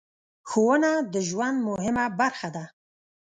ښوونه د ژوند مهمه برخه ده.